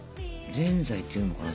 ぜんざいっていうのかな？